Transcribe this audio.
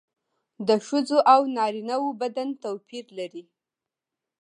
د ښځو او نارینه وو بدن توپیر لري